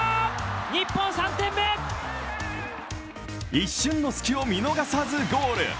一瞬の隙を見逃さずゴール。